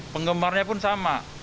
penggemarnya pun sama